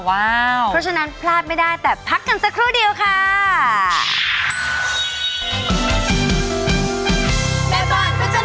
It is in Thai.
เพราะฉะนั้นพลาดไม่ได้แต่พักกันสักครู่เดียวค่ะ